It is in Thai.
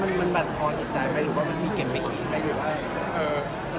ตอนนี้มันพอดีใจไปหรือมีเก็บไปคิดไปด้วย